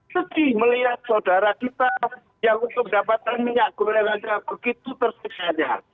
sesi melihat saudara kita yang untuk dapat minyak goreng aja begitu tersenyumnya